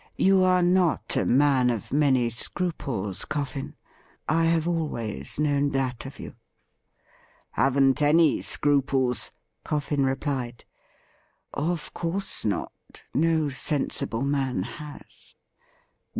You are not a man of many scruples, CofEn. I have always known that of you.' ' Haven't any scruples,' Coffin replied. ' Of course not ; no sensible man has.'